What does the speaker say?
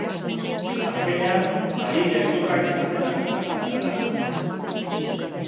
Azkenean, hari gezurrak esaten hasi zara.